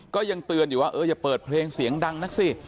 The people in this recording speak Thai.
ก็ยังเตือนอยู่ว่าเอออย่าเปิดเพลงเสียงดังนักสิ